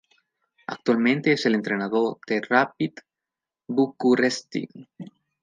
Actualmente es el entrenador de Rapid Bucureşti.